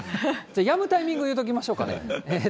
やむタイミングを言うときましょうかね。